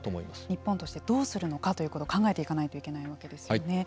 日本としてどうするのかということを考えていかないといけないわけですよね。